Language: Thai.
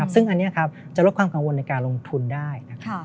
ซึ่งอันนี้จะลดความกังวลในการลงทุนได้